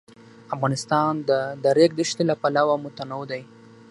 افغانستان د د ریګ دښتې له پلوه متنوع دی.